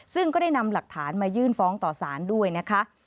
ซึ่งก็ได้นำหลักฐานมายื่นฟ้องต่อสารด้วยนะคะ